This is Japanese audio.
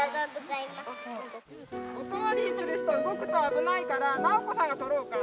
お代わりする人動くと危ないから奈緒子さんが取ろうか？